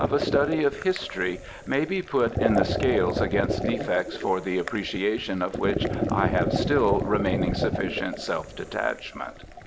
296 BIOGRAPHICAL ESSAYS a study of history, may be put in the scales against defects for the appreciation of which I have still re maining sufficient self detachment.